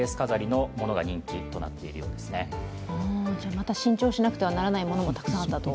また新調しなくてはならないものも、たくさんあったと。